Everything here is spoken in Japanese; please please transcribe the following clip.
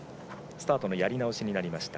スタートのやり直しになりました。